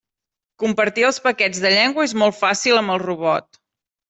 Compartir els paquets de llengua és molt fàcil amb el robot.